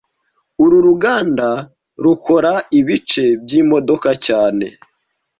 Uru ruganda rukora ibice byimodoka cyane